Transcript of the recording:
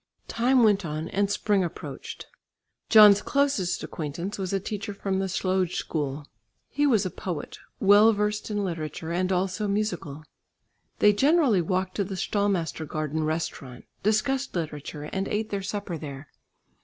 Time went on and spring approached. John's closest acquaintance was a teacher from the Slöjd School. He was a poet, well versed in literature, and also musical. They generally walked to the Stallmastergarden restaurant, discussed literature, and ate their supper there.